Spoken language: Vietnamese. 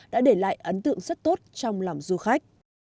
đã để lại ấn tượng rất tốt trong lòng du khách